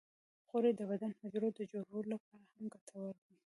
غوړې د بدن د حجرو د جوړولو لپاره هم ګټورې دي.